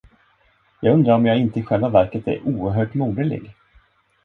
Jag undrar om jag inte i själva verket är oerhört moderlig.